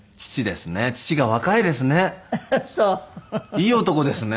いい男ですね。